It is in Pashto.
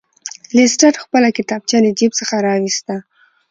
لیسټرډ خپله کتابچه له جیب څخه راویسته.